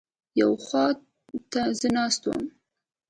یوې خوا ته زه ناست وم.